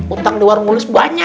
utang di warung mulus banyak